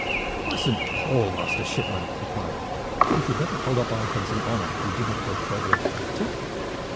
"By Saint Paul! master shipman," he cried, "we should never hold up our heads in honor if we did not go further into the matter!